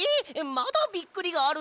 まだびっくりがあるの？